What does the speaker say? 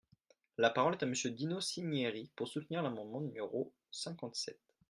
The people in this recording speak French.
La parole est à Monsieur Dino Cinieri, pour soutenir l’amendement numéro cinquante-sept.